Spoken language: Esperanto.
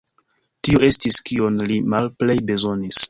Tio estis, kion li malplej bezonis.